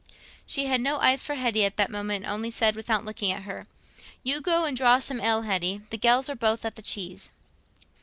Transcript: She had no eyes for Hetty at that moment, and only said, without looking at her, "You go and draw some ale, Hetty; the gells are both at the cheese."